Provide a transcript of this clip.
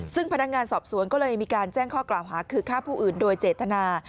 ซึ่งพนักงานสอบสวนก็เลยมีการแจ้งข้อกล่าวหาคือฆ่าผู้อื่นโดยเจตนา